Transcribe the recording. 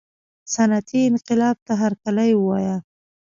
صنعتي انقلاب ته هرکلی ووایه.